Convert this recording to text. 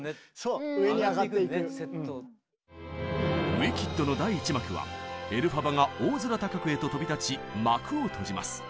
「ウィキッド」の第１幕はエルファバが大空高くへと飛び立ち幕を閉じます。